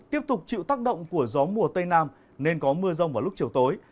tiếp tục chịu tác động của gió mùa tây nam nên có mưa rông vào lúc chiều tối